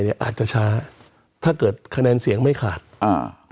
อาจจะช้าถ้าเกิดคะแนนเสียงไม่ขาดอ่า